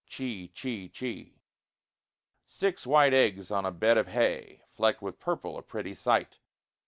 Chee, chee, chee. Six white eggs on a bed of hay, Flecked with purple, a pretty sight!